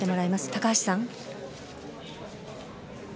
高橋さん。